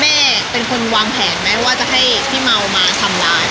แม่เป็นคนวางแผนไหมว่าจะให้พี่เมามาทำร้าย